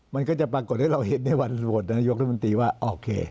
มันก็จะปรากฏให้เราเห็นในวันโหวตนายกรัฐมนตรีว่าโอเค